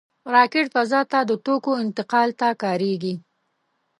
راکټ فضا ته د توکو انتقال ته کارېږي